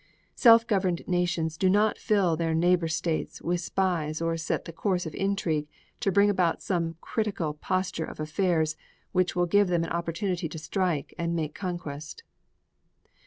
Self governed nations do not fill their neighbor states with spies or set the course of intrigue to bring about some critical posture of affairs which will give them an opportunity to strike and make conquest.